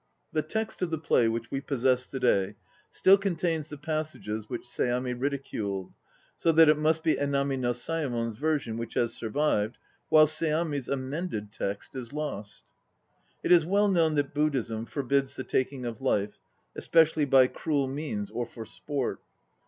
The text of the play which we possess to day still contains the passages which Seami ridiculed, so that it must be Enami no Sayemon's version which has survived, while Seami's amended text is lost. It is well known that Buddhism forbids the taking of life, especially by cruel means or for sport.